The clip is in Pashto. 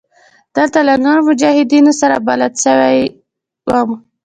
دلته له نورو مجاهدينو سره بلد سوى وم.